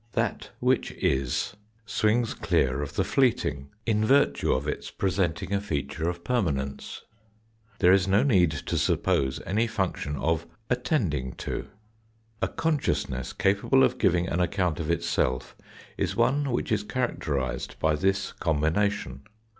That which is swings clear of the fleeting, in virtue of its presenting a feature of permanence. There is no need to suppose any function of " attending to." A con sciousness capable of giving au account of itself is one which is characterised by this combination.